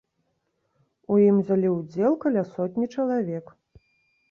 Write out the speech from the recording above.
У ім узялі ўдзел каля сотні чалавек.